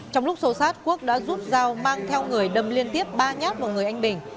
trong lúc xô xát quốc đã giúp giao mang theo người đâm liên tiếp ba nhát một người anh bình